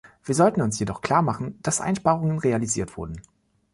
Wir sollten uns jedoch klar machen, dass Einsparungen realisiert wurden.